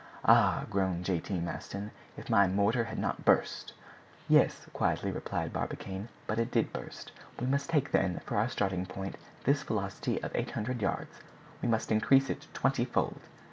"Ah!" groaned J. T. Maston, "if my mortar had not burst—" "Yes," quietly replied Barbicane, "but it did burst. We must take, then, for our starting point, this velocity of 800 yards. We must increase it twenty fold.